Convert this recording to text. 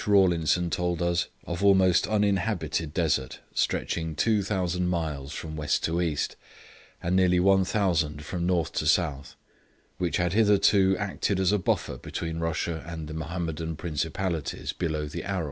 Rawlinson told us) of almost uninhabited desert, stretching 2,000 miles from west to east, and nearly 1,000 from north to south, which had hitherto acted as a buffer between Russia and the Mahomedan Principalities below the Aral.